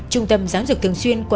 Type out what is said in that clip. trung tâm giáo dục thường xuyên